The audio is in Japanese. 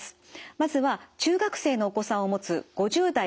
まずは中学生のお子さんを持つ５０代女性からです。